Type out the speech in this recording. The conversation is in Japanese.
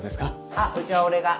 あっうちは俺が。